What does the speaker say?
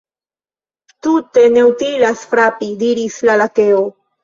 "Tute ne utilas frapi," diris la Lakeo.